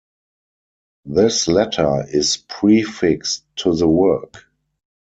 This letter is prefixed to the work.